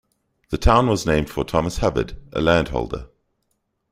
The town was named for Thomas Hubbard, a landholder.